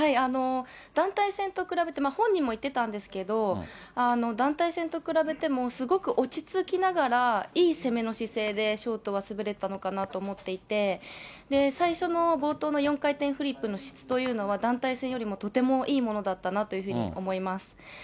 団体戦と比べて、本人も言ってたんですけど、団体戦と比べても、すごく落ち着きながらいい攻めの姿勢でショートは滑れたのかなと思っていて、最初の冒頭の４回転フリップの質というのは、団体戦よりもとてもいいものだったなというふうに思います。